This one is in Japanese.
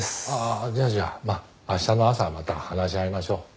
じゃあじゃあまあ明日の朝また話し合いましょう。